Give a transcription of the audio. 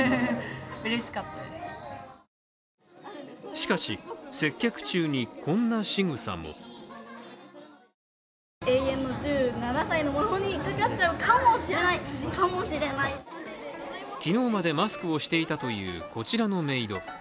しかし、接客中にこんなしぐさも昨日までマスクをしていたというこちらのメイド。